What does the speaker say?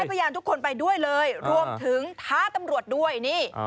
พยานทุกคนไปด้วยเลยรวมถึงท้าตำรวจด้วยนี่